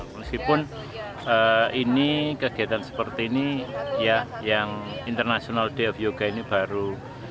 meskipun ini kegiatan seperti ini ya yang international day of yoga ini baru